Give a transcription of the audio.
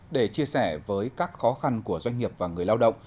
để chia sẻ với các khó khăn của doanh nghiệp và người lao động